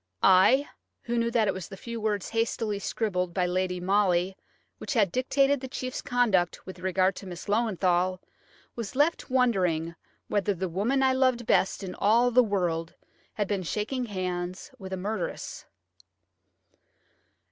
I, who knew that it was the few words hastily scribbled by Lady Molly which had dictated the chief's conduct with regard to Miss Löwenthal, was left wondering whether the woman I loved best in all the world had been shaking hands with a murderess.